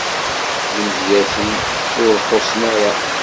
Imedyaten ur xuṣṣen ara.